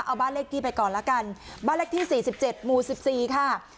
เอาบ้านเลขที่ไปก่อนละกันบ้านเลขที่๔๗หมู่๑๔ค่ะ